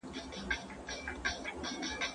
د قدرت ترلاسه کول ځانګړي مهارتونه غواړي.